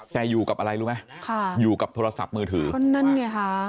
แต่อยู่กับอะไรรู้ไหมค่ะอยู่กับโทรศัพท์มือถือก็นั่นไงค่ะ